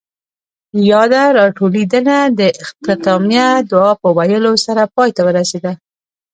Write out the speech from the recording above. ياده راټولېدنه د اختتامیه دعاء پۀ ويلو سره پای ته ورسېده.